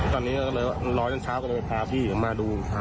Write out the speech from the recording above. ตอนนี้ละ๑๐๐ชั้นเช้าก็เลยพาพี่กังมาดู